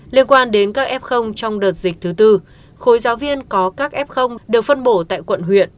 liên quan đến các f trong đợt dịch thứ tư khối giáo viên có các f đều phân bổ tại quận huyện